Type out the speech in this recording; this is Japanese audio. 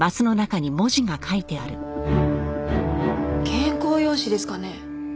原稿用紙ですかね？